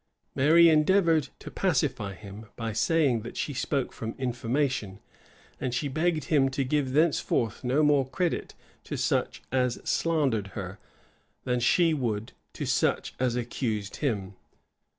Mary endeavored to pacify him, by saying that she spoke from information; and she begged him to give thenceforth no more credit to such as slandered her, than she should to such as accused him.